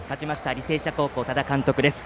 履正社高校多田監督です。